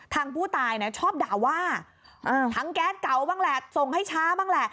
ทางผู้ตายชอบด่าว่าทั้งแก๊สเก่าบ้างแหละส่งให้ช้าบ้างแหละ